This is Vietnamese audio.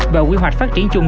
và quy hoạch phát triển chung